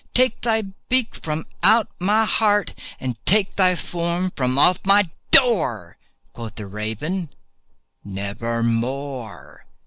Take thy beak from out my heart, and take thy form from off my door!" Quoth the Raven, "Nevermore."